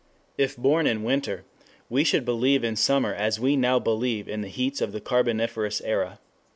If born in winter, we should believe in summer as we now believe in the heats of the carboniferous era.